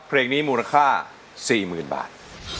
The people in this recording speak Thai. เพลงนี้มูลค่าสี่หมื่นบาท